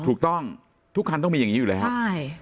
ถูกต้องทุกคันต้องมีอย่างนี้อยู่แล้วใช่